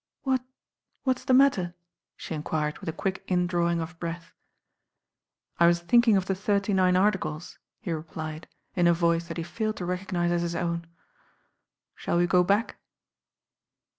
"What — what is the matter?" she enquired with a quick indrawing of breath. M il '4m I I tlfl THE RAIN GIRL "I wa» thinking of the Thirty Nine Artidei/' he replied in a voice that he failed to recognise at hit own. "Shall we go back?"